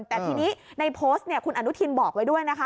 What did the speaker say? แต่ทีนี้ในโพสต์คุณอนุทินบอกไว้ด้วยนะคะ